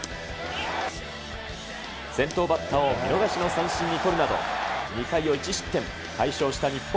先頭バッターを見逃しの三振に取るなど、２回を１失点、快勝した日本。